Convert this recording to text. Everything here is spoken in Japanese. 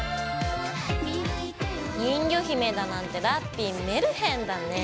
人魚姫だなんてラッピィメルヘンだね。